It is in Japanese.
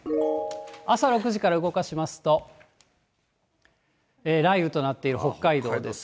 朝６時から動かしますと、雷雨となっている北海道ですが。